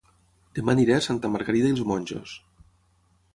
Dema aniré a Santa Margarida i els Monjos